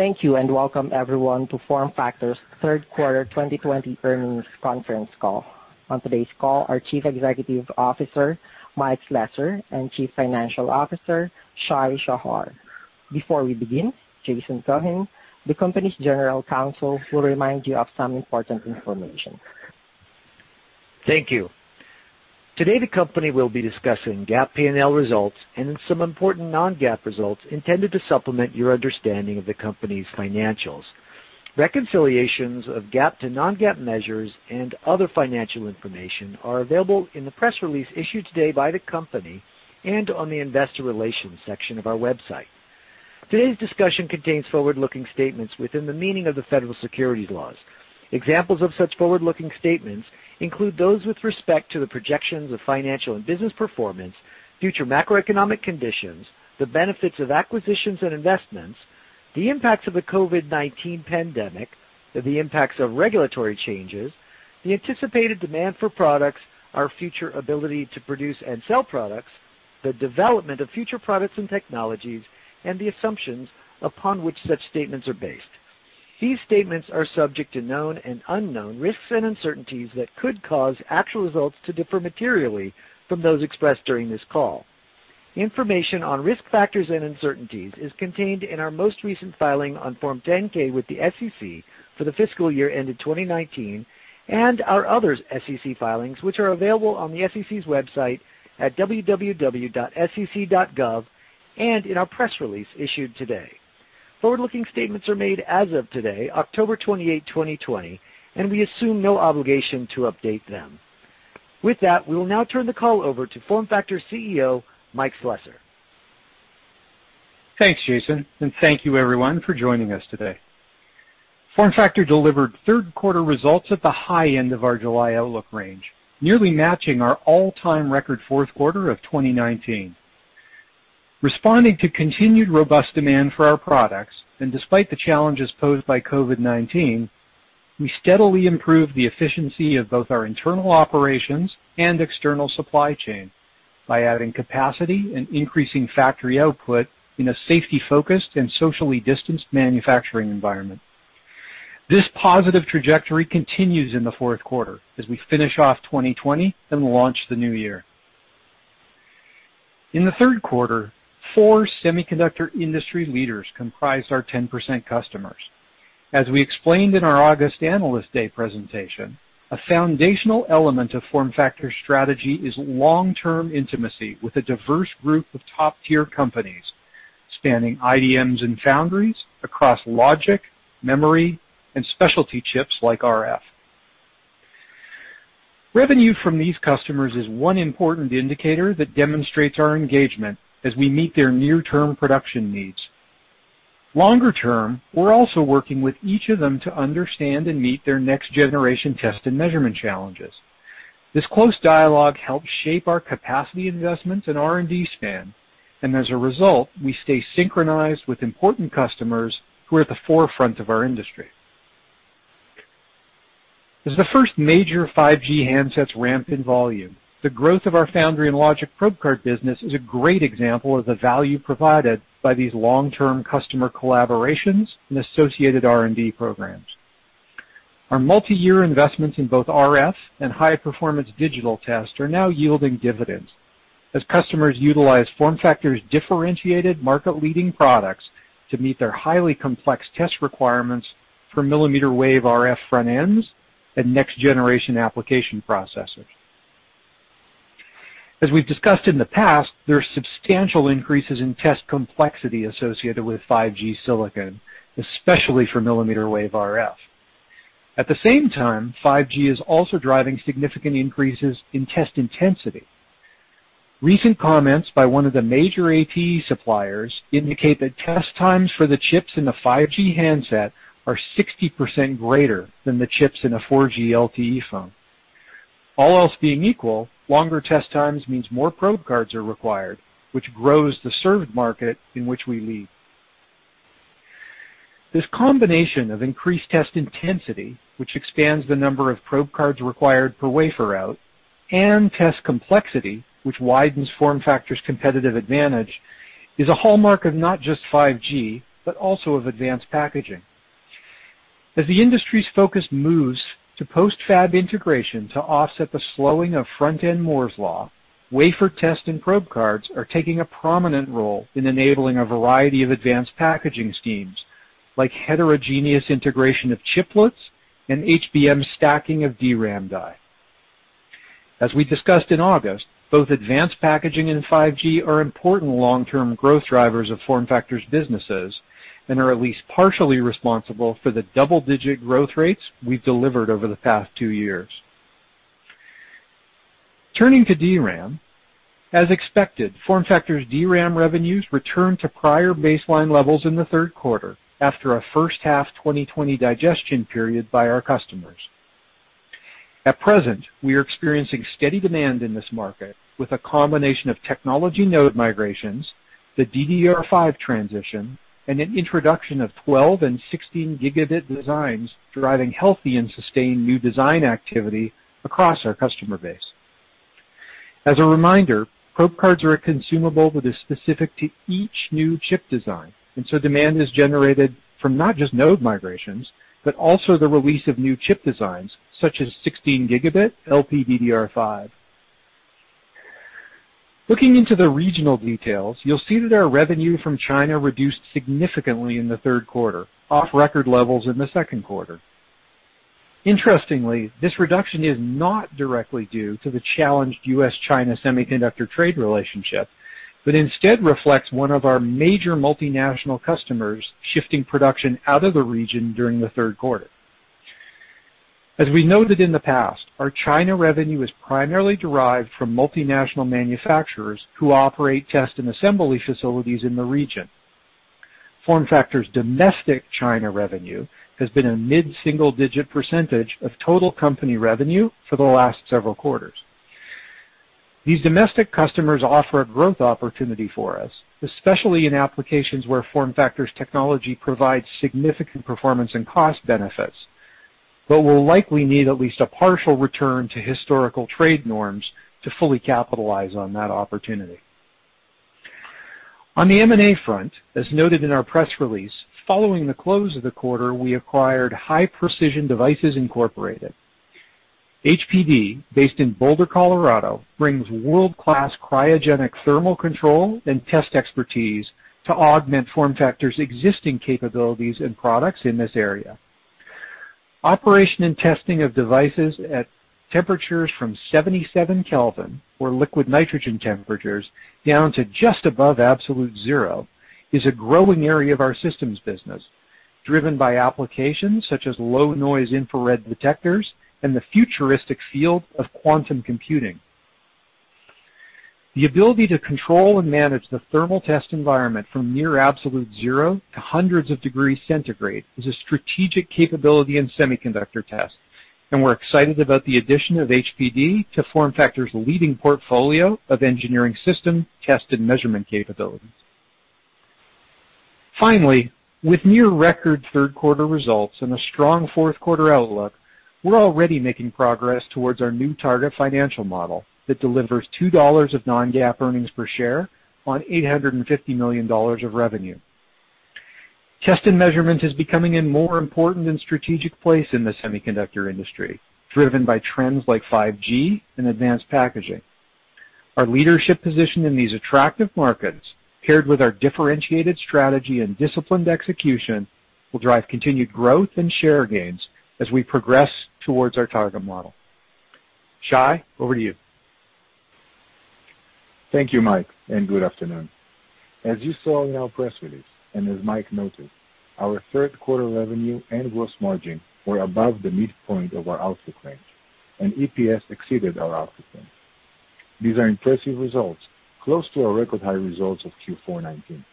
Thank you, and welcome, everyone, to FormFactor's Q3 2020 earnings conference call. On today's call are Chief Executive Officer, Mike Slessor, and Chief Financial Officer, Shai Shahar. Before we begin, Jason Cohen, the company's General Counsel, will remind you of some important information. Thank you. Today, the company will be discussing GAAP P&L results and then some important non-GAAP results intended to supplement your understanding of the company's financials. Reconciliations of GAAP to non-GAAP measures and other financial information are available in the press release issued today by the company and on the investor relations section of our website. Today's discussion contains forward-looking statements within the meaning of the federal securities laws. Examples of such forward-looking statements include those with respect to the projections of financial and business performance, future macroeconomic conditions, the benefits of acquisitions and investments, the impacts of the COVID-19 pandemic, the impacts of regulatory changes, the anticipated demand for products, our future ability to produce and sell products, the development of future products and technologies, and the assumptions upon which such statements are based. These statements are subject to known and unknown risks and uncertainties that could cause actual results to differ materially from those expressed during this call. Information on risk factors and uncertainties is contained in our most recent filing on Form 10-K with the SEC for the fiscal year ended 2019, and our other SEC filings, which are available on the sec.gov website, and in our press release issued today. Forward-looking statements are made as of today, October 28, 2020, and we assume no obligation to update them. With that, we will now turn the call over to FormFactor CEO, Mike Slessor. Thanks, Jason. Thank you, everyone, for joining us today. FormFactor delivered Q3 results at the high end of our July outlook range, nearly matching our all-time record Q4 of 2019. Responding to continued robust demand for our products, and despite the challenges posed by COVID-19, we steadily improved the efficiency of both our internal operations and external supply chain by adding capacity and increasing factory output in a safety-focused and socially distanced manufacturing environment. This positive trajectory continues in the Q4 as we finish off 2020 and launch the new year. In the Q3, four semiconductor industry leaders comprised our 10% customers. As we explained in our August Analyst Day presentation, a foundational element of FormFactor's strategy is long-term intimacy with a diverse group of top-tier companies, spanning IDMs and foundries across logic, memory, and specialty chips like RF. Revenue from these customers is one important indicator that demonstrates our engagement as we meet their near-term production needs. Longer term, we're also working with each of them to understand and meet their next generation test and measurement challenges. This close dialogue helps shape our capacity investments and R&D span, and as a result, we stay synchronized with important customers who are at the forefront of our industry. As the first major 5G handsets ramp in volume, the growth of our Foundry & Logic probe card business is a great example of the value provided by these long-term customer collaborations and associated R&D programs. Our multi-year investments in both RF and high-performance digital test are now yielding dividends as customers utilize FormFactor's differentiated market-leading products to meet their highly complex test requirements for millimeter wave RF front ends and next generation application processors. As we've discussed in the past, there are substantial increases in test complexity associated with 5G silicon, especially for millimeter wave RF. At the same time, 5G is also driving significant increases in test intensity. Recent comments by one of the major AP suppliers indicate that test times for the chips in the 5G handset are 60% greater than the chips in a 4G LTE phone. All else being equal, longer test times means more probe cards are required, which grows the served market, in which we lead. This combination of increased test intensity, which expands the number of probe cards required per wafer out, and test complexity, which widens FormFactor's competitive advantage, is a hallmark of not just 5G, but also of advanced packaging. As the industry's focus moves to post-fab integration to offset the slowing of front-end Moore's Law, wafer test and probe cards are taking a prominent role in enabling a variety of advanced packaging schemes, like heterogeneous integration of chiplets and HBM stacking of DRAM die. As we discussed in August, both advanced packaging and 5G are important long-term growth drivers of FormFactor's businesses and are at least partially responsible for the double-digit growth rates we've delivered over the past two years. Turning to DRAM, as expected, FormFactor's DRAM revenues returned to prior baseline levels in the Q3 after a H1 2020 digestion period by our customers. At present, we are experiencing steady demand in this market with a combination of technology node migrations, the DDR5 transition, and an introduction of 12 and 16 gigabit designs driving healthy and sustained new design activity across our customer base. As a reminder, probe cards are a consumable that is specific to each new chip design, and so demand is generated from not just node migrations, but also the release of new chip designs, such as 16 gigabit LPDDR5. Looking into the regional details, you'll see that our revenue from China reduced significantly in the Q3, off record levels in the Q2. Interestingly, this reduction is not directly due to the challenged U.S.-China semiconductor trade relationship but instead reflects one of our major multinational customers shifting production out of the region during the Q3. As we noted in the past, our China revenue is primarily derived from multinational manufacturers who operate, test, and assembly facilities in the region. FormFactor's domestic China revenue has been a mid-single-digit percentage of total company revenue for the last several quarters. These domestic customers offer a growth opportunity for us, especially in applications where FormFactor's technology provides significant performance and cost benefits, but we'll likely need at least a partial return to historical trade norms to fully capitalize on that opportunity. On the M&A front, as noted in our press release, following the close of the quarter, we acquired High Precision Devices, Inc.. HPD, based in Boulder, Colorado, brings world-class cryogenic thermal control and test expertise to augment FormFactor's existing capabilities and products in this area. Operation and testing of devices at temperatures from 77 Kelvin or liquid nitrogen temperatures, down to just above absolute zero, is a growing area of our systems business, driven by applications such as low-noise infrared detectors and the futuristic field of quantum computing. The ability to control and manage the thermal test environment from near absolute zero to hundreds of degrees centigrade is a strategic capability in semiconductor test, and we're excited about the addition of HPD to FormFactor's leading portfolio of engineering system test and measurement capabilities. Finally, with near record Q3 results and a strong Q4 outlook, we're already making progress towards our new target financial model that delivers $2 of non-GAAP earnings per share on $850 million of revenue. Test and measurement are becoming a more important and strategic place in the semiconductor industry, driven by trends like 5G and advanced packaging. Our leadership position in these attractive markets, paired with our differentiated strategy and disciplined execution, will drive continued growth and share gains as we progress towards our target model. Shai, over to you. Thank you, Mike, and good afternoon. As you saw in our press release, and as Mike noted, our Q3 revenue and gross margin were above the midpoint of our outlook range, and EPS exceeded our outlook range. These are impressive results, close to our record high results of Q4 '19.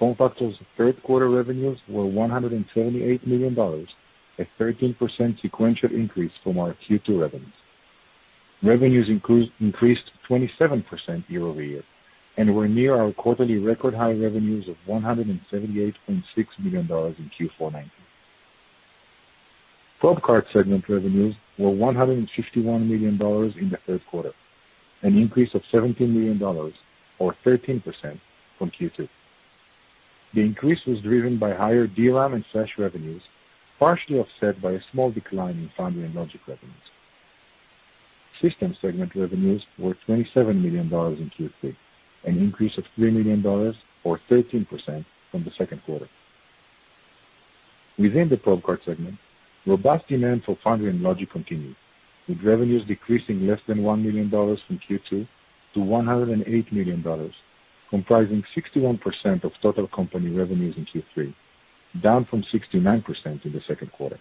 FormFactor's Q3 revenues were $128 million, a 13% sequential increase from our Q2 revenues. Revenues increased 27% year-over-year and were near our quarterly record high revenues of $178.6 million in Q4 '19. Probe card segment revenues were $151 million in the Q3, an increase of $17 million or 13% from Q2. The increase was driven by higher DRAM and flash revenues, partially offset by a small decline in Foundry & Logic revenues. System segment revenues were $27 million in Q3, an increase of $3 million or 13% from the Q2. Within the probe card segment, robust demand for Foundry & Logic continued, with revenues decreasing less than $1 million from Q2 to $108 million, comprising 61% of total company revenues in Q3, down from 69% in the Q2.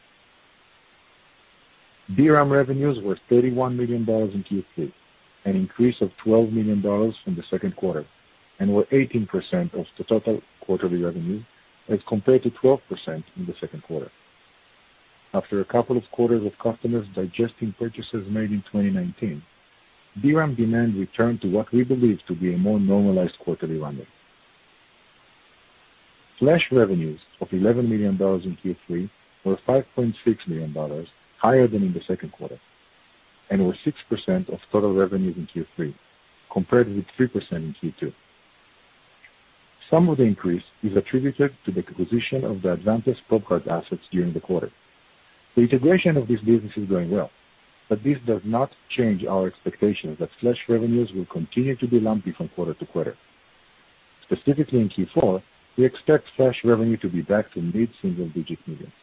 DRAM revenues were $31 million in Q3, an increase of $12 million from the Q2, and were 18% of the total quarterly revenue as compared to 12% in the Q2. After a couple of quarters of customers digesting purchases made in 2019, DRAM demand returned to what we believe to be a more normalized quarterly run rate. Flash revenues of $11 million in Q3 were $5.6 million higher than in the Q2 and were 6% of total revenues in Q3, compared with 3% in Q2. Some of the increase is attributed to the acquisition of the Advantest probe card assets during the quarter. The integration of this business is going well, but this does not change our expectation that flash revenues will continue to be lumpy from quarter-to-quarter. Specifically in Q4, we expect flash revenue to be back to mid-single digit millions.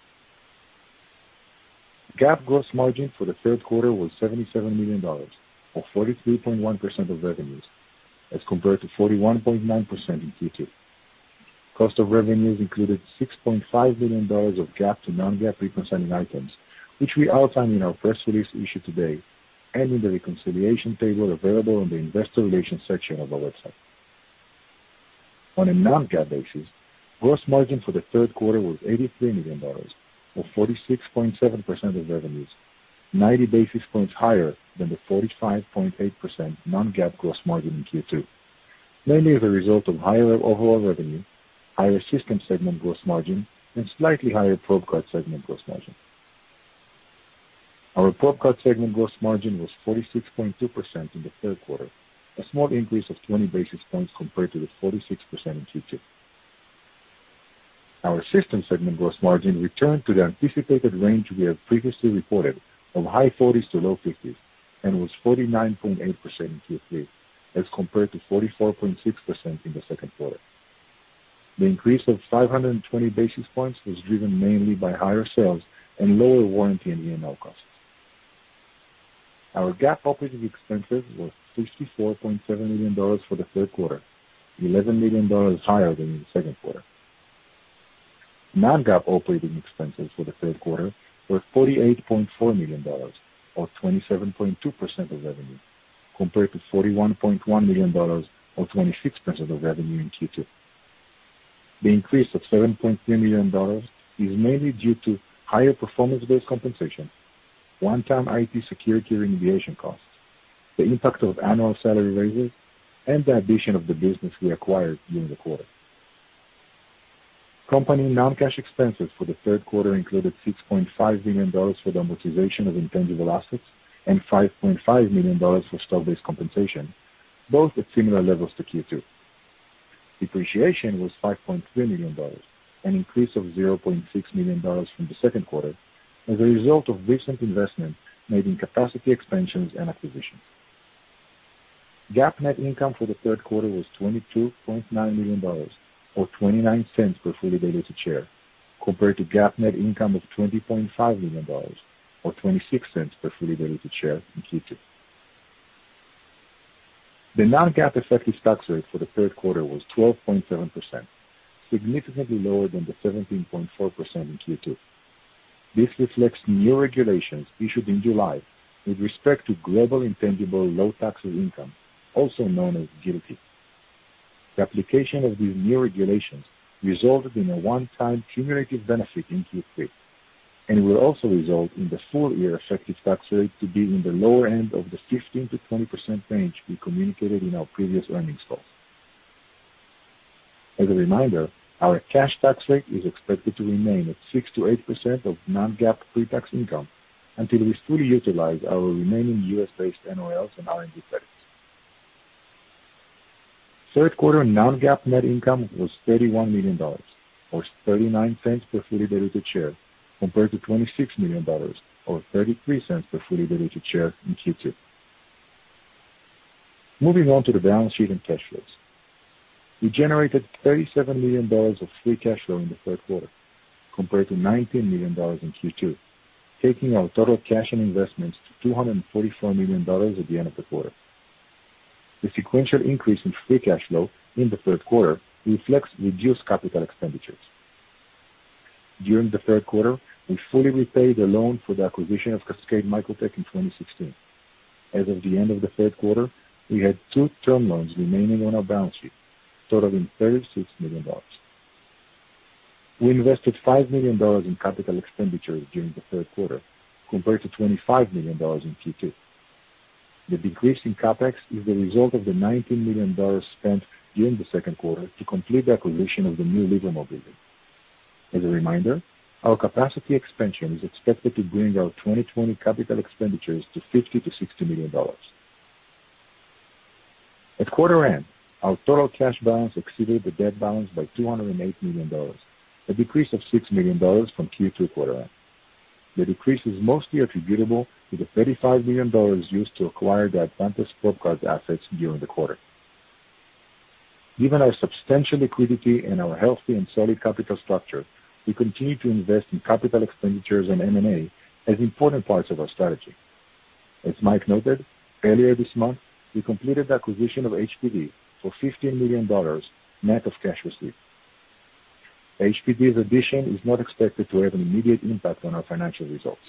GAAP gross margin for the Q3 was $77 million, or 43.1% of revenues, as compared to 41.9% in Q2. Cost of revenues included $6.5 million of GAAP to non-GAAP reconciling items, which we outline in our press release issued today and in the reconciliation table available on the investor relations section of our website. On a non-GAAP basis, gross margin for the Q3 was $83 million, or 46.7% of revenues, 90 basis points higher than the 45.8% non-GAAP gross margin in Q2. Mainly as a result of higher overall revenue, higher system segment gross margin, and slightly higher probe card segment gross margin. Our probe card segment gross margin was 46.2% in the Q3, a small increase of 20 basis points compared to the 46% in Q2. Our system segment gross margin returned to the anticipated range we had previously reported of high 40s to low 50s, and was 49.8% in Q3 as compared to 44.6% in the Q2. The increase of 520-basis points was driven mainly by higher sales and lower warranty and E&O costs. Our GAAP operating expenses were $64.7 million for the Q3, $11 million higher than in the Q2. Non-GAAP operating expenses for the Q3 were $48.4 million or 27.2% of revenue, compared to $41.1 million or 26% of revenue in Q2. The increase of $7.3 million is mainly due to higher performance-based compensation, one-time IT security remediation costs, the impact of annual salary raises, and the addition of the business we acquired during the quarter. Company non-cash expenses for the Q3 included $6.5 million for the amortization of intangible assets and $5.5 million for stock-based compensation, both at similar levels to Q2. Depreciation was $5.3 million, an increase of $0.6 million from the Q2 as a result of recent investments made in capacity expansions and acquisitions. GAAP net income for the Q3 was $22.9 million or $0.29 per fully diluted share, compared to GAAP net income of $20.5 million or $0.26 per fully diluted share in Q2. The non-GAAP effective tax rate for the Q3 was 12.7%, significantly lower than the 17.4% in Q2. This reflects new regulations issued in July with respect to Global Intangible Low Tax Income, also known as GILTI. The application of these new regulations resulted in a one-time cumulative benefit in Q3 and will also result in the full-year effective tax rate to be in the lower end of the 15%-20% range we communicated in our previous earnings call. As a reminder, our cash tax rate is expected to remain at 6%-8% of non-GAAP pre-tax income until we fully utilize our remaining US-based NOLs and R&D credits. Q3 non-GAAP net income was $31 million or $0.39 per fully diluted share compared to $26 million or $0.33 per fully diluted share in Q2. Moving on to the balance sheet and cash flows. We generated $37 million of free cash flow in the Q3 compared to $19 million in Q2, taking our total cash and investments to $244 million at the end of the quarter. The sequential increase in free cash flow in the Q3 reflects reduced capital expenditures. During the Q3, we fully repaid the loan for the acquisition of Cascade Microtech in 2016. As of the end of the Q3, we had two term loans remaining on our balance sheet, totaling $36 million. We invested $5 million in capital expenditures during the Q3 compared to $25 million in Q2. The decrease in CapEx is the result of the $19 million spent during the Q2 to complete the acquisition of the new Livermore building. As a reminder, our capacity expansion is expected to bring our 2020 capital expenditures to $50-$60 million. At quarter end, our total cash balance exceeded the debt balance by $208 million, a decrease of $6 million from Q2 quarter end. The decrease is mostly attributable to the $35 million used to acquire the Advantest probe card assets during the quarter. Given our substantial liquidity and our healthy and solid capital structure, we continue to invest in capital expenditures and M&A as important parts of our strategy. As Mike noted, earlier this month, we completed the acquisition of HPD for $15 million, net of cash received. HPD's addition is not expected to have an immediate impact on our financial results.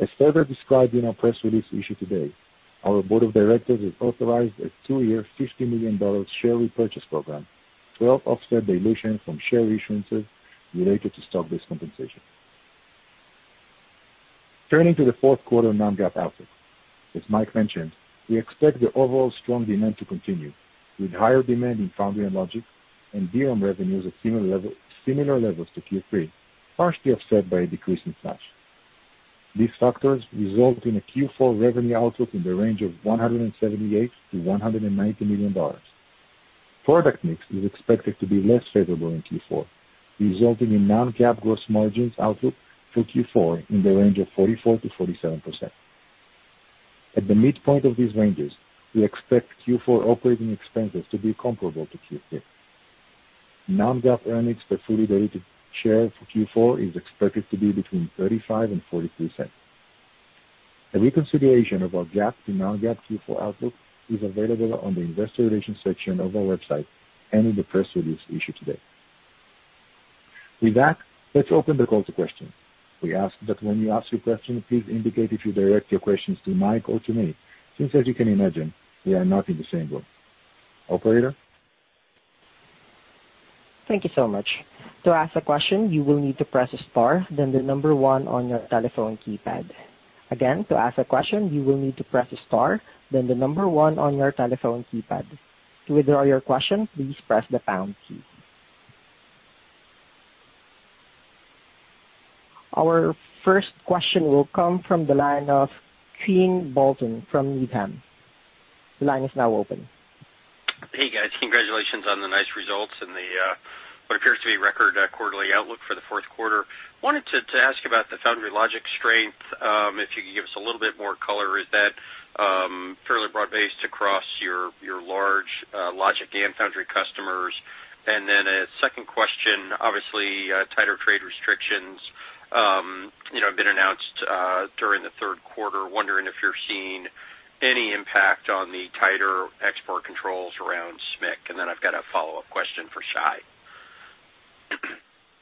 As further described in our press release issued today, our board of directors has authorized a two-year, $50 million share repurchase program to help offset dilution from share issuances related to stock-based compensation. Turning to the Q4 non-GAAP outlook. As Mike mentioned, we expect the overall strong demand to continue with higher demand in Foundry & Logic and DRAM revenues at similar levels to Q3, partially offset by a decrease in NAND. These factors result in a Q4 revenue outlook in the range of $178-$190 million. Product mix is expected to be less favorable in Q4, resulting in non-GAAP gross margins outlook for Q4 in the range of 44%-47%. At the midpoint of these ranges, we expect Q4 operating expenses to be comparable to Q3. Non-GAAP earnings per fully diluted share for Q4 is expected to be between $0.35 and $0.43. A reconciliation of our GAAP to non-GAAP Q4 outlook is available on the investor relations section of our website and in the press release issued today. With that, let's open the call to questions. We ask that when you ask your question, please indicate if you direct your questions to Mike or to me, since as you can imagine, we are not in the same room. Operator? Thank you so much. To ask a question, you will need to press star, then the number 1 on your telephone keypad. Again, to ask a question, you will need to press star, then the number 1 on your telephone keypad. To withdraw your question, please press the pound key. Our first question will come from the line of Quinn Bolton from Needham. The line is now open. Hey, guys. Congratulations on the nice results and the, what appears to be record quarterly outlook for the Q4. Wanted to ask about the Foundry & Logic strength. If you could give us a little bit more color. Is that fairly broad-based across your large Logic and Foundry customers? A second question, obviously, tighter trade restrictions have been announced during the Q3. Wondering if you're seeing any impact on the tighter export controls around SMIC. I've got a follow-up question for Shai.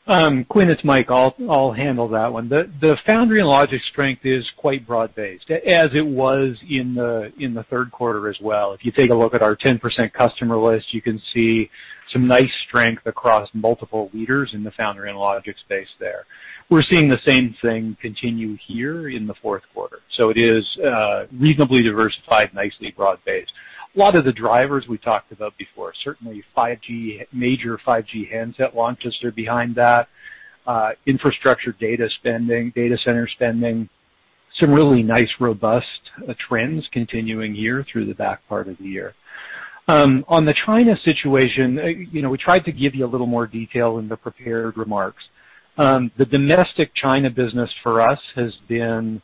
Quinn, it's Mike. I'll handle that one. The Foundry & Logic strength is quite broad-based, as it was in the Q3 as well. If you take a look at our 10% customer list, you can see some nice strength across multiple leaders in the Foundry & Logic space there. We're seeing the same thing continue here in the Q4. It is reasonably diversified, nicely broad-based. A lot of the drivers we talked about before, certainly major 5G handset launches are behind that, infrastructure data spending, data center spending. Some really nice, robust trends continuing here through the back part of the year. On the China situation, we tried to give you a little more detail in the prepared remarks. The domestic China business for us has been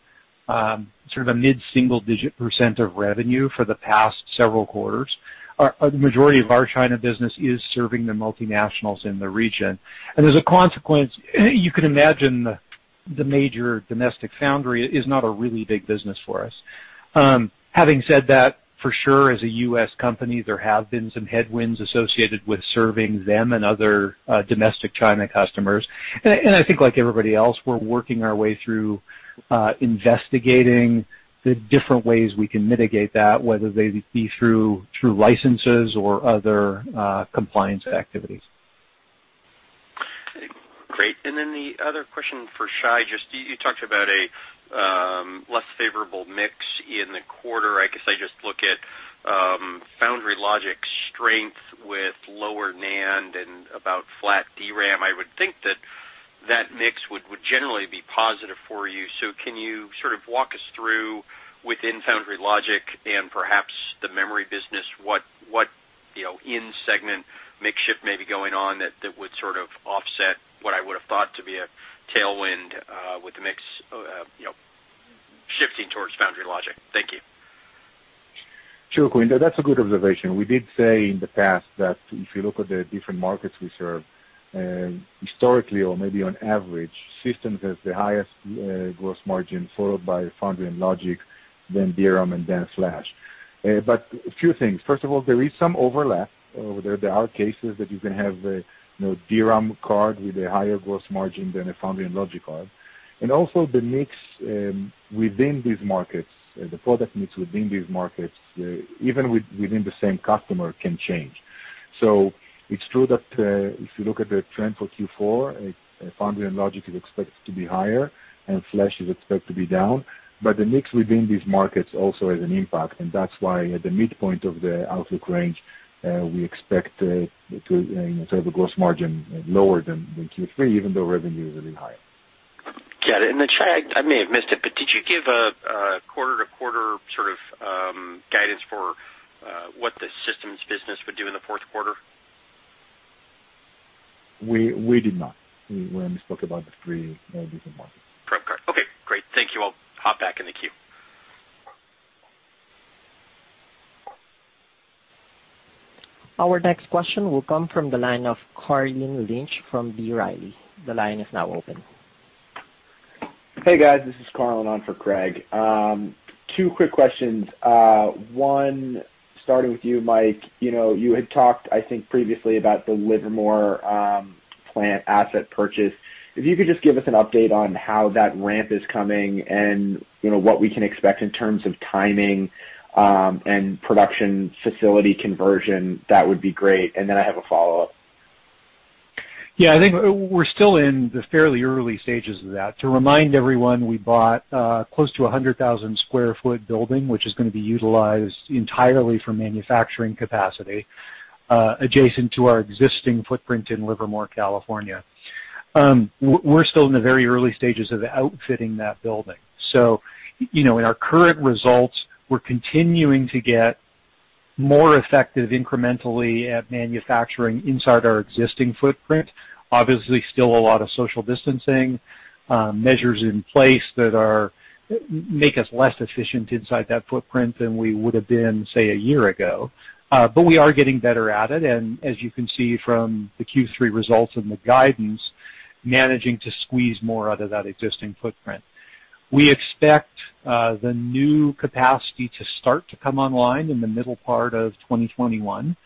sort of a mid-single digit % of revenue for the past several quarters. A majority of our China business is serving the multinationals in the region. As a consequence, you can imagine the major domestic foundry is not a really big business for us. Having said that, for sure, as a U.S. company, there have been some headwinds associated with serving them and other domestic China customers. I think like everybody else, we're working our way through investigating the different ways we can mitigate that, whether they be through licenses or other compliance activities. Great. The other question for Shai, just you talked about a less favorable mix in the quarter. I guess I just look at Foundry & Logic strength with lower NAND and about flat DRAM. I would think that that mix would generally be positive for you. Can you sort of walk us through within Foundry & Logic and perhaps the memory business, what in-segment mix shift may be going on that would sort of offset what I would have thought to be a tailwind with the mix shifting towards Foundry & Logic? Thank you. Sure, Quinn. That's a good observation. We did say in the past that if you look at the different markets we serve, historically or maybe on average, systems has the highest gross margin, followed by Foundry & Logic, then DRAM, and then flash. A few things. First of all, there is some overlap. There are cases that you can have a DRAM card with a higher gross margin than a Foundry & Logic card. Also the mix within these markets, the product mix within these markets, even within the same customer, can change. It's true that if you look at the trend for Q4, Foundry & Logic is expected to be higher and flash is expected to be down. The mix within these markets also has an impact, and that's why at the midpoint of the outlook range, we expect to have a gross margin lower than in Q3, even though revenue is a bit higher. Got it. Shai, I may have missed it, but did you give a quarter-to-quarter sort of guidance for what the systems business would do in the Q4? We did not. We only spoke about the three different markets. Okay, great. Thank you. I'll hop back in the queue. Our next question will come from the line of Carlin Lynch from B. Riley. The line is now open. Hey, guys. This is Carlin on for Craig. Two quick questions. One, starting with you, Mike. You had talked, I think, previously about the Livermore plant asset purchase. If you could just give us an update on how that ramp is coming and what we can expect in terms of timing and production facility conversion, that would be great. I have a follow-up. I think we're still in the fairly early stages of that. To remind everyone, we bought a close to 100,000 sq ft building, which is going to be utilized entirely for manufacturing capacity, adjacent to our existing footprint in Livermore, California. We're still in the very early stages of outfitting that building. In our current results, we're continuing to get more effective incrementally at manufacturing inside our existing footprint. Obviously, still a lot of social distancing measures in place that make us less efficient inside that footprint than we would have been, say, a year ago. We are getting better at it, and as you can see from the Q3 results and the guidance, managing to squeeze more out of that existing footprint. We expect the new capacity to start to come online in the middle part of 2021.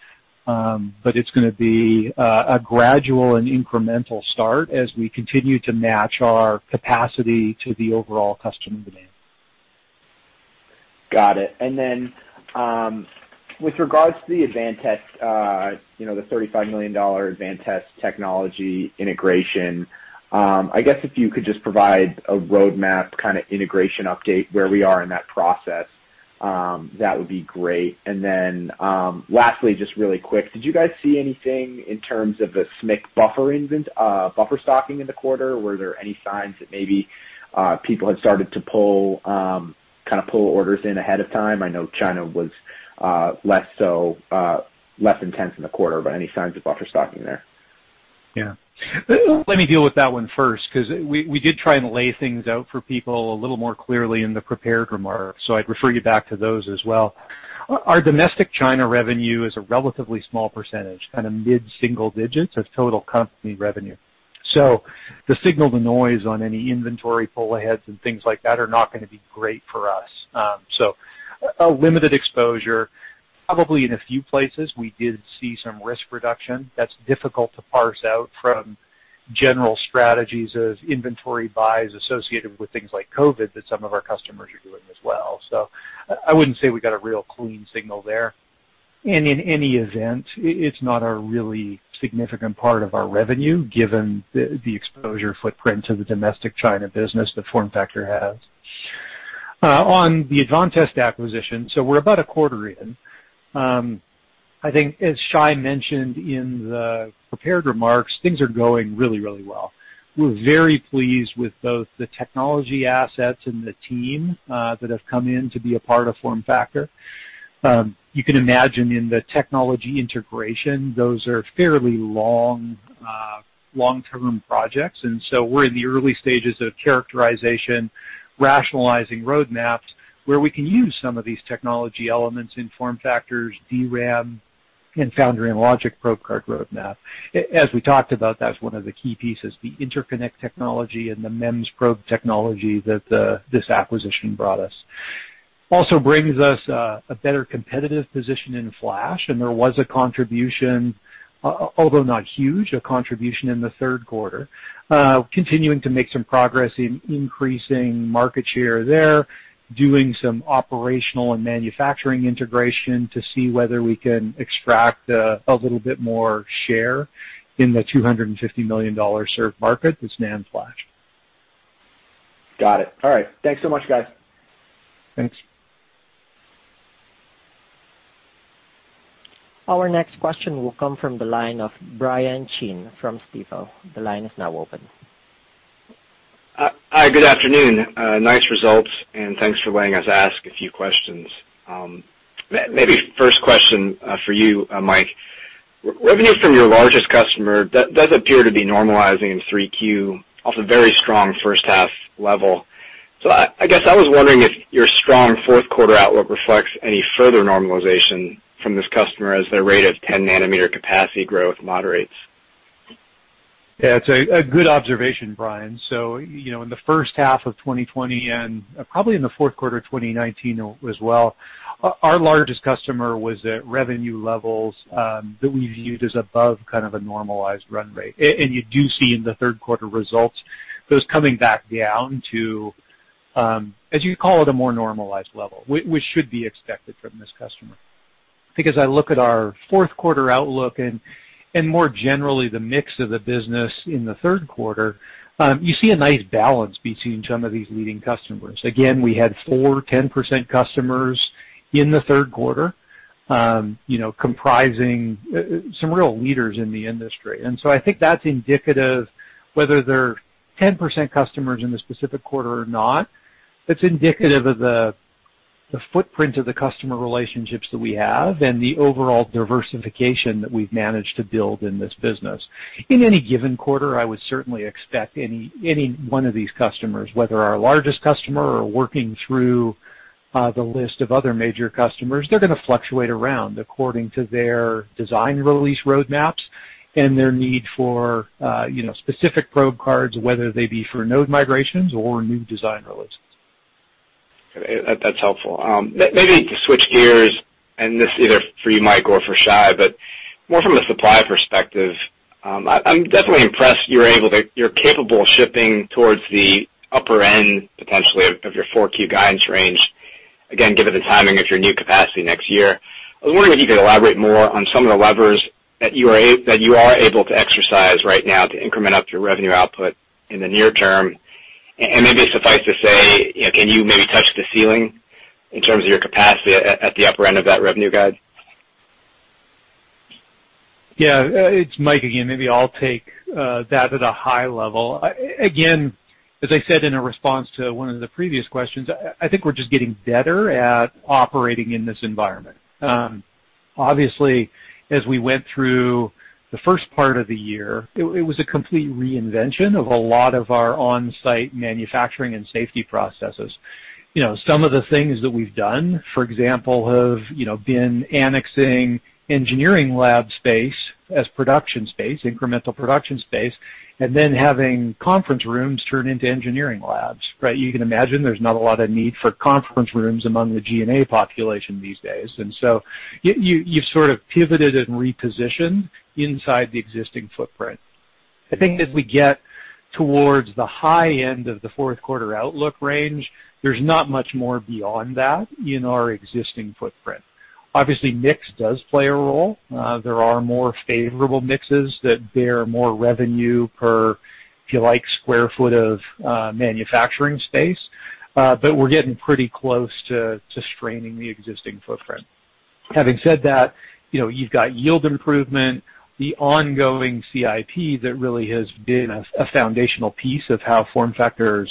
It's going to be a gradual and incremental start as we continue to match our capacity to the overall customer demand. Got it. With regards to the Advantest, the $35 million Advantest technology integration, I guess if you could just provide a roadmap kind of integration update, where we are in that process, that would be great. Lastly, just really quick, did you guys see anything in terms of a SMIC buffer stocking in the quarter? Were there any signs that maybe people had started to kind of pull orders in ahead of time? I know China was less intense in the quarter, but any signs of buffer stocking there? Yeah. Let me deal with that one first, because we did try and lay things out for people a little more clearly in the prepared remarks, so I'd refer you back to those as well. Our domestic China revenue is a relatively small percentage, kind of mid-single digits of total company revenue. The signal to noise on any inventory pull-aheads and things like that are not going to be great for us. A limited exposure. Probably in a few places, we did see some risk reduction that's difficult to parse out from general strategies of inventory buys associated with things like COVID-19 that some of our customers are doing as well. I wouldn't say we got a real clean signal there. And in any event, it's not a really significant part of our revenue given the exposure footprint of the domestic China business that FormFactor has. On the Advantest acquisition, we're about a quarter in. I think as Shai mentioned in the prepared remarks, things are going really, really well. We're very pleased with both the technology assets and the team that have come in to be a part of FormFactor. You can imagine in the technology integration, those are fairly long-term projects, we're in the early stages of characterization, rationalizing roadmaps where we can use some of these technology elements in FormFactor's DRAM and Foundry & Logic probe card roadmap. As we talked about, that's one of the key pieces, the interconnect technology and the MEMS probe technology that this acquisition brought us. Also brings us a better competitive position in flash, there was a contribution, although not huge, a contribution in the Q3. Continuing to make some progress in increasing market share there, doing some operational and manufacturing integration to see whether we can extract a little bit more share in the $250 million served market, this NAND flash. Got it. All right. Thanks so much, guys. Thanks. Our next question will come from the line of Brian Chin from Stifel. The line is now open. Hi, good afternoon. Nice results. Thanks for letting us ask a few questions. Maybe first question for you, Mike. Revenue from your largest customer does appear to be normalizing in Q3 off a very strong H1 level. I guess I was wondering if your strong Q4 outlook reflects any further normalization from this customer as their rate of 10 nanometer capacity growth moderates. Yeah, it's a good observation, Brian. In the H1 of 2020, and probably in the Q4 of 2019 as well, our largest customer was at revenue levels that we viewed as above kind of a normalized run rate. You do see in the Q3 results, those coming back down to, as you call it, a more normalized level, which should be expected from this customer. I look at our Q4 outlook and more generally the mix of the business in the Q3, you see a nice balance between some of these leading customers. Again, we had four 10% customers in the Q3, comprising some real leaders in the industry. I think that's indicative, whether they're 10% customers in the specific quarter or not, that's indicative of the footprint of the customer relationships that we have and the overall diversification that we've managed to build in this business. In any given quarter, I would certainly expect any one of these customers, whether our largest customer or working through the list of other major customers, they're going to fluctuate around according to their design release roadmaps and their need for specific probe cards, whether they be for node migrations or new design releases. That's helpful. Maybe to switch gears, and this either for you, Mike, or for Shai, but more from a supply perspective, I'm definitely impressed you're capable of shipping towards the upper end, potentially, of your 4Q guidance range, again, given the timing of your new capacity next year. I was wondering if you could elaborate more on some of the levers that you are able to exercise right now to increment up your revenue output in the near term, and maybe suffice to say, can you maybe touch the ceiling in terms of your capacity at the upper end of that revenue guide? It's Mike again. Maybe I'll take that at a high level. Again, as I said in a response to one of the previous questions, I think we're just getting better at operating in this environment. Obviously, as we went through the first part of the year, it was a complete reinvention of a lot of our on-site manufacturing and safety processes. Some of the things that we've done, for example, have been annexing engineering lab space as production space, incremental production space, and then having conference rooms turn into engineering labs, right? You can imagine there's not a lot of need for conference rooms among the G&A population these days. You've sort of pivoted and repositioned inside the existing footprint. I think as we get towards the high end of the Q4 outlook range, there's not much more beyond that in our existing footprint. Obviously, mix does play a role. There are more favorable mixes that bear more revenue per, if you like, square foot of manufacturing space. We're getting pretty close to straining the existing footprint. Having said that, you've got yield improvement, the ongoing CIP that really has been a foundational piece of how FormFactor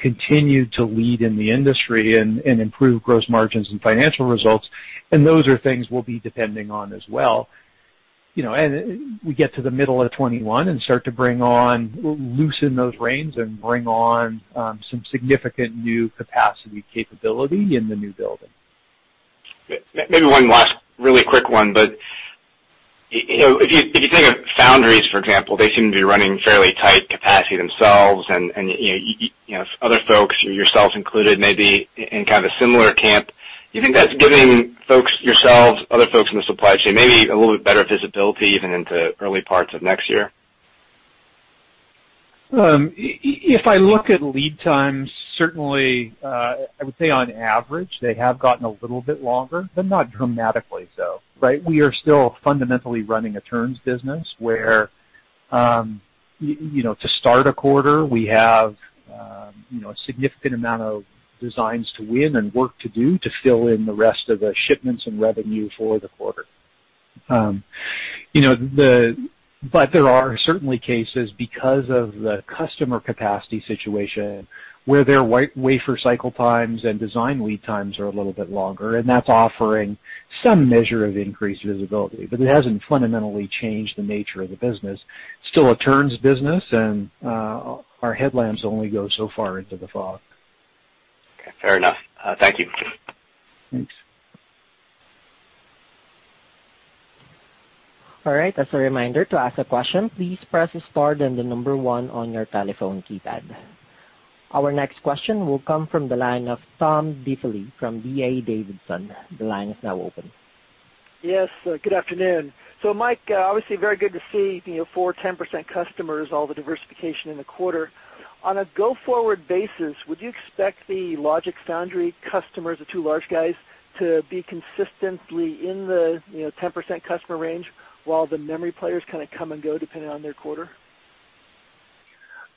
continue to lead in the industry and improve gross margins and financial results, and those are things we'll be depending on as well. We get to the middle of 2021 and start to loosen those reins and bring on some significant new capacity capability in the new building. Maybe one last really quick one, but if you think of foundries, for example, they seem to be running fairly tight capacity themselves, and other folks, yourselves included, maybe in kind of a similar camp. Do you think that's giving folks, yourselves, other folks in the supply chain, maybe a little bit better visibility even into early parts of next year? If I look at lead times, certainly, I would say on average, they have gotten a little bit longer, but not dramatically so, right? We are still fundamentally running a turns business where, to start a quarter, we have a significant amount of designs to win and work to do to fill in the rest of the shipments and revenue for the quarter. There are certainly cases, because of the customer capacity situation, where their wafer cycle times and design lead times are a little bit longer, and that's offering some measure of increased visibility. It hasn't fundamentally changed the nature of the business. Still a turns business, and our headlamps only go so far into the fog. Okay. Fair enough. Thank you. Thanks. All right. As a reminder, to ask a question, please press star then the number one on your telephone keypad. Our next question will come from the line of Tom Diffely from D.A. Davidson. The line is now open. Yes. Good afternoon. Mike, obviously very good to see four 10% customers, all the diversification in the quarter. On a go-forward basis, would you expect the logic foundry customers, the two large guys, to be consistently in the 10% customer range while the memory players kind of come and go depending on their quarter?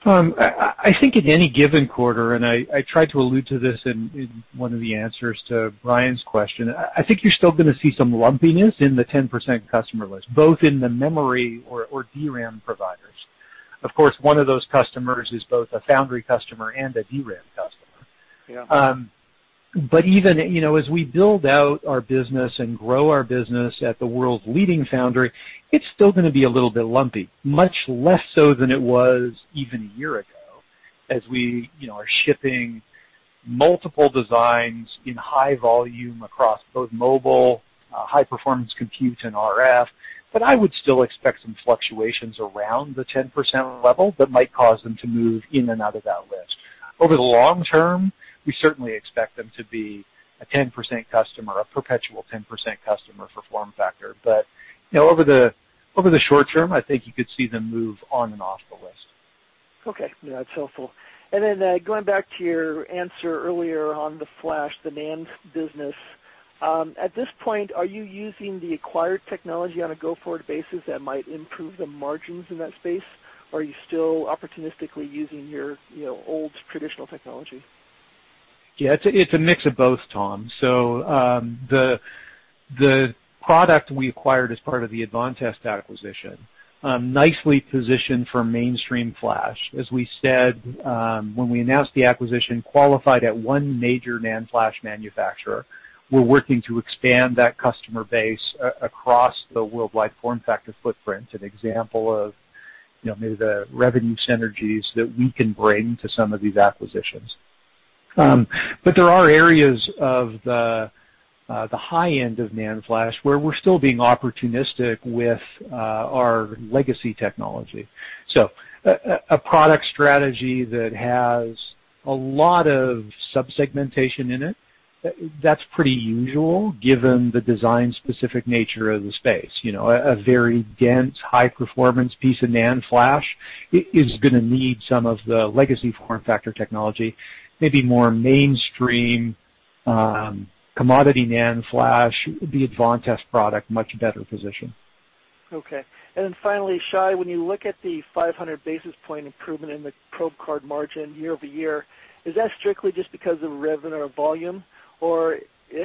I think at any given quarter, I tried to allude to this in one of the answers to Brian's question, I think you're still going to see some lumpiness in the 10% customer list, both in the memory or DRAM providers. Of course, one of those customers is both a foundry customer and a DRAM customer. Yeah. Even as we build out our business and grow our business at the world's leading foundry, it's still going to be a little bit lumpy. Much less so than it was even a year ago, as we are shipping multiple designs in high volume across both mobile, high-performance compute, and RF. I would still expect some fluctuations around the 10% level that might cause them to move in and out of that list. Over the long term, we certainly expect them to be a 10% customer, a perpetual 10% customer for FormFactor. Over the short term, I think you could see them move on and off the list. Okay. That's helpful. Going back to your answer earlier on the flash, the NAND business. At this point, are you using the acquired technology on a go-forward basis that might improve the margins in that space? Or are you still opportunistically using your old traditional technology? Yeah. It's a mix of both, Tom. The product we acquired as part of the Advantest acquisition, nicely positioned for mainstream flash. As we said when we announced the acquisition, qualified at one major NAND flash manufacturer. We're working to expand that customer base across the worldwide FormFactor footprint, an example of maybe the revenue synergies that we can bring to some of these acquisitions. There are areas of the high end of NAND flash where we're still being opportunistic with our legacy technology. A product strategy that has a lot of sub-segmentation in it, that's pretty usual given the design-specific nature of the space. A very dense, high-performance piece of NAND flash is going to need some of the legacy FormFactor technology, maybe more mainstream commodity NAND flash, the Advantest product, much better positioned. Okay. Finally, Shai, when you look at the 500-basis point improvement in the probe card margin year-over-year, is that strictly just because of revenue or volume, or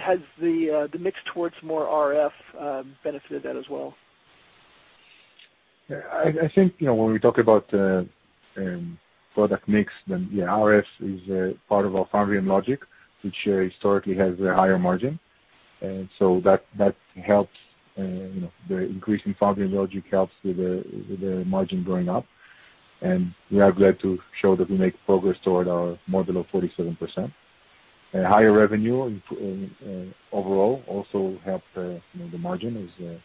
has the mix towards more RF benefited that as well? I think when we talk about product mix, then yeah, RF is part of our Foundry & Logic, which historically has a higher margin. That helps. The increase in Foundry & Logic helps with the margin going up. We are glad to show that we make progress toward our model of 47%. Higher revenue overall also helped the margin, is to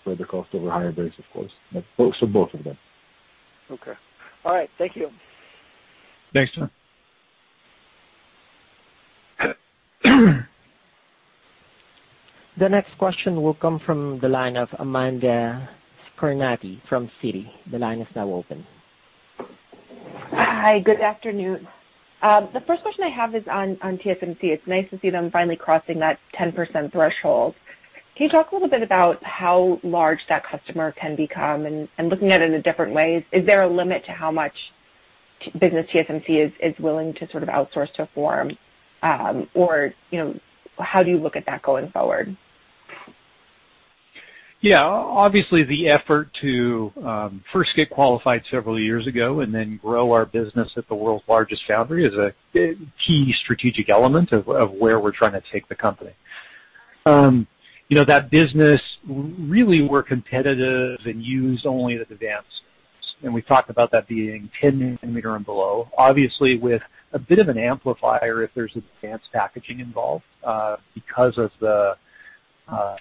spread the cost over a higher base, of course. Both of them. Okay. All right. Thank you. Thanks, Tom. The next question will come from the line of Amanda Scarnati from Citi. The line is now open. Hi, good afternoon. The first question I have is on TSMC. It's nice to see them finally crossing that 10% threshold. Can you talk a little bit about how large that customer can become? Looking at it in different ways, is there a limit to how much business TSMC is willing to outsource to FormFactor? How do you look at that going forward? Yeah. Obviously, the effort to first get qualified several years ago and then grow our business at the world's largest foundry is a key strategic element of where we're trying to take the company. That business, really, we're competitive and used only at advanced nodes, and we've talked about that being 10 nanometer and below, obviously with a bit of an amplifier if there's advanced packaging involved, because of the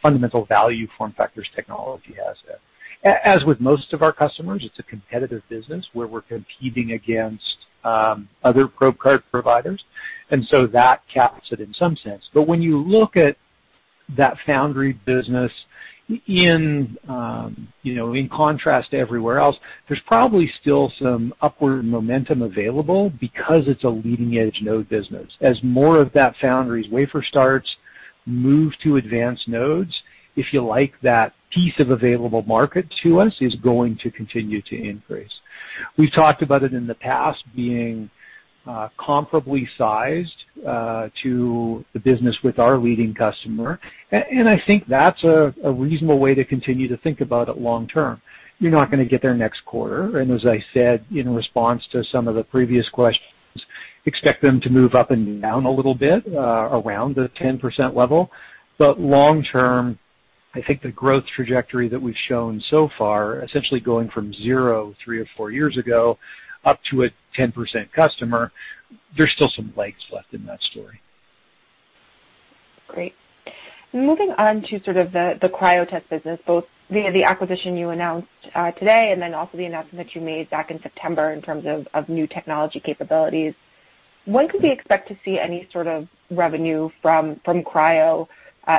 fundamental value FormFactor's technology has there. As with most of our customers, it's a competitive business where we're competing against other probe card providers, and so that caps it in some sense. When you look at that foundry business in contrast to everywhere else, there's probably still some upward momentum available because it's a leading-edge node business. As more of that foundry's wafer starts move to advanced nodes, if you like, that piece of available market to us is going to continue to increase. We've talked about it in the past being comparably sized to the business with our leading customer, and I think that's a reasonable way to continue to think about it long term. You're not going to get thier next quarter, and as I said in response to some of the previous questions, expect them to move up and down a little bit around the 10% level. Long term, I think the growth trajectory that we've shown so far, essentially going from zero three or four years ago up to a 10% customer, there's still some legs left in that story. Great. Moving on to sort of the Cryo tech business, both the acquisition you announced today and then also the announcement you made back in September in terms of new technology capabilities. When could we expect to see any sort of revenue from Cryo?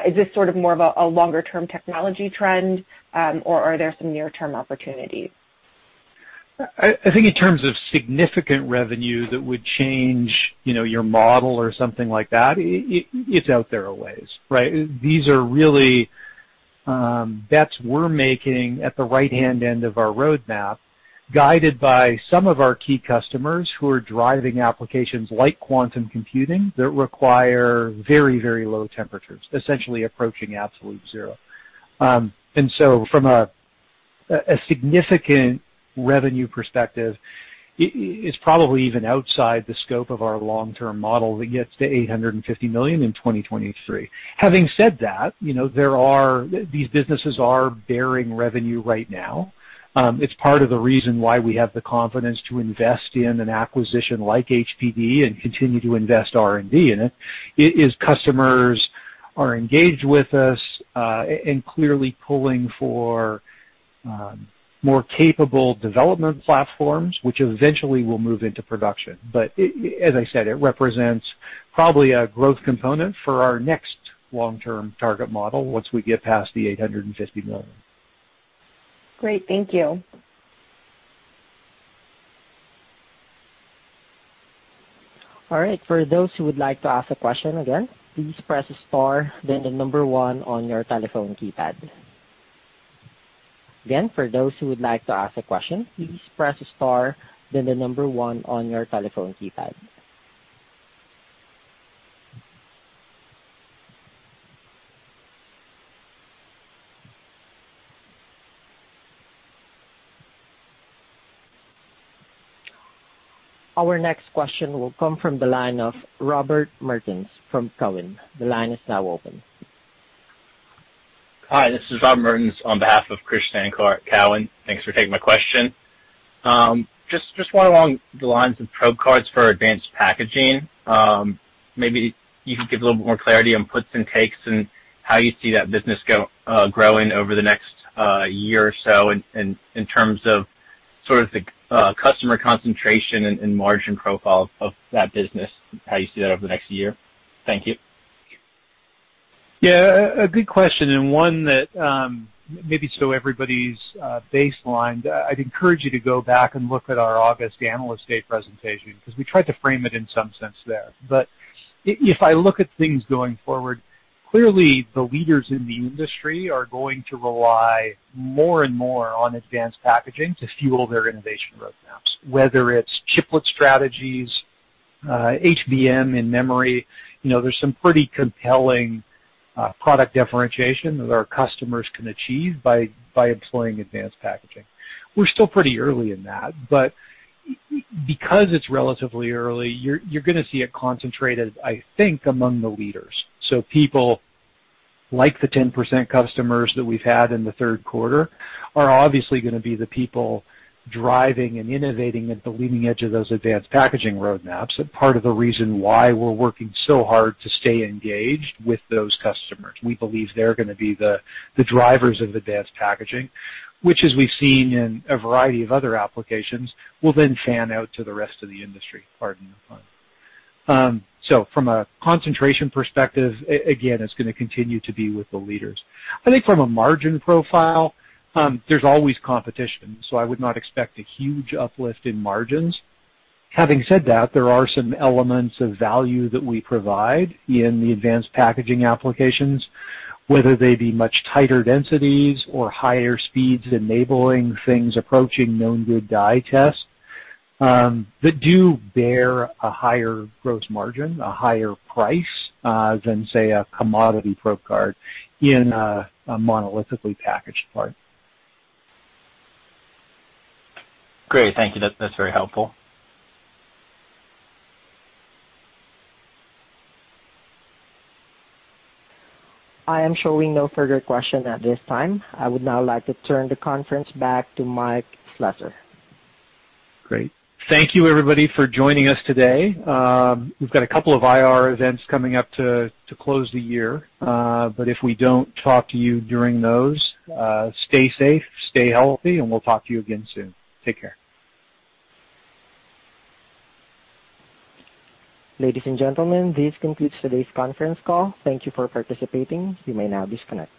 Is this sort of more of a longer-term technology trend? Are there some near-term opportunities? I think in terms of significant revenue that would change your model or something like that, it's out there a way, right? These are really bets we're making at the right-hand end of our roadmap, guided by some of our key customers who are driving applications like quantum computing that require very low temperatures, essentially approaching absolute zero. From a significant revenue perspective, it's probably even outside the scope of our long-term model that gets to $850 million in 2023. Having said that, these businesses are bearing revenue right now. It's part of the reason why we have the confidence to invest in an acquisition like HPD and continue to invest R&D in it. Its customers are engaged with us, and clearly pulling for more capable development platforms, which eventually will move into production. As I said, it represents probably a growth component for our next long-term target model once we get past the $850 million. Great. Thank you. All right. For those who would like to ask a question, again, please press star then the number 1 on your telephone keypad. Again, for those who would like to ask a question, please press star then the number 1 on your telephone keypad. Our next question will come from the line of Robert Mertens from Cowen. The line is now open. Hi, this is Robert Mertens on behalf of Krish Sankar at Cowen. Thanks for taking my question. Just one along the lines of probe cards for advanced packaging. Maybe you could give a little bit more clarity on puts and takes and how you see that business growing over the next year or so in terms of sort of the customer concentration and margin profile of that business, how you see that over the next year. Thank you. Yeah. A good question, and one that maybe so everybody's baselined, I'd encourage you to go back and look at our August Analyst Day presentation, because we tried to frame it in some sense there. If I look at things going forward, clearly the leaders in the industry are going to rely more and more on advanced packaging to fuel their innovation roadmaps, whether it's chiplet strategies, HBM in memory. There's some pretty compelling product differentiation that our customers can achieve by employing advanced packaging. We're still pretty early in that, but because it's relatively early, you're going to see it concentrated, I think, among the leaders. People like the 10% customers that we've had in the Q3 are obviously going to be the people driving and innovating at the leading edge of those advanced packaging roadmaps, and part of the reason why we're working so hard to stay engaged with those customers. We believe they're going to be the drivers of advanced packaging, which, as we've seen in a variety of other applications, will then fan out to the rest of the industry. Pardon the pun. From a concentration perspective, again, it's going to continue to be with the leaders. I think from a margin profile, there's always competition, so I would not expect a huge uplift in margins. Having said that, there are some elements of value that we provide in the advanced packaging applications, whether they be much tighter densities or higher speeds enabling things approaching known good die tests, that do bear a higher gross margin, a higher price than, say, a commodity probe card in a monolithically packaged part. Great. Thank you. That's very helpful. I am showing no further question at this time. I would now like to turn the conference back to Mike Slessor. Great. Thank you everybody for joining us today. We've got a couple of IR events coming up to close the year. If we don't talk to you during those, stay safe, stay healthy, and we'll talk to you again soon. Take care. Ladies and gentlemen, this concludes today's conference call. Thank you for participating. You may now disconnect.